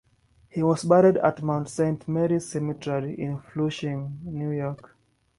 He was buried at Mount Saint Mary's Cemetery in Flushing, New York.